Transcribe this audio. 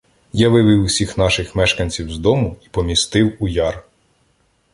Я вивів усіх наших мешканців з дому і помістив у яр.